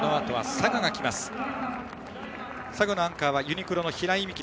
佐賀のアンカーはユニクロの平井見季。